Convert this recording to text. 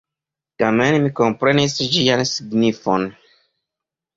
Tamen mi komprenis ĝian signifon.